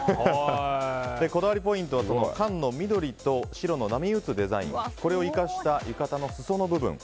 こだわりポイントは缶の緑と白の波打つデザインを生かした浴衣の裾の部分。